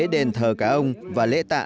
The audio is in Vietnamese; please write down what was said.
đền thờ cá ông và lễ tạ